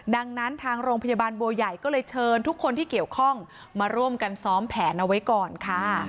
ดังนั้นทางโรงพยาบาลบัวใหญ่ก็เลยเชิญทุกคนที่เกี่ยวข้องมาร่วมกันซ้อมแผนเอาไว้ก่อนค่ะ